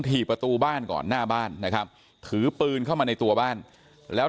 ถี่ประตูบ้านก่อนหน้าบ้านนะครับถือปืนเข้ามาในตัวบ้านแล้ว